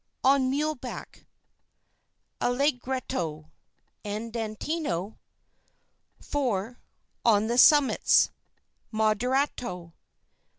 ON MULEBACK (Allegretto; andantino) 4. ON THE SUMMITS (Moderato) 5.